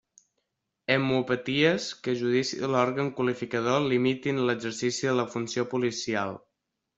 Hemopaties que a judici de l'òrgan qualificador limitin l'exercici de la funció policial.